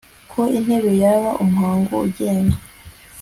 ko intebe yaba umuhango ugenga